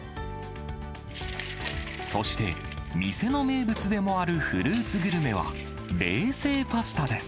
そして、店の名物でもあるフルーツグルメは、冷製パスタです。